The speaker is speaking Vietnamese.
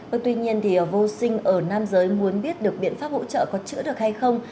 vâng tuy nhiên thì vô sinh ở nam giới muốn biết được biện pháp hỗ trợ có chữa được hay không